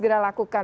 kita segera lakukan